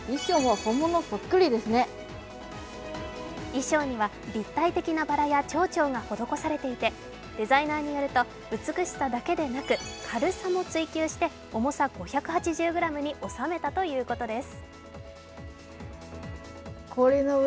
衣装には立体的なばらやちょうちょうが施されていて、デザイナーによると、美しさだけでなく軽さも追求して重さ５８０ｇに収めたということです。